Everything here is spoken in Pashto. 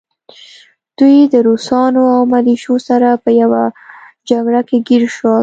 دوی د روسانو او ملیشو سره په يوه جګړه کې ګیر شول